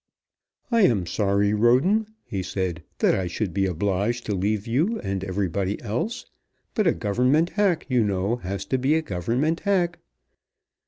"I am sorry, Roden," he said, "that I should be obliged to leave you and everybody else; but a Government hack, you know, has to be a Government hack."